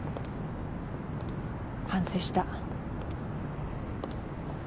反省した。